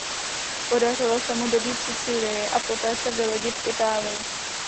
Podařilo se mu dobýt Sicílii a poté se vylodil v Itálii.